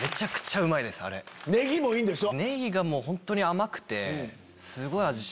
ネギもいいんでしょ？